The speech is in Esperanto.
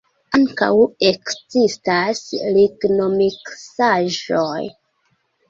Ankaŭ ekzistas lignomiksaĵoj.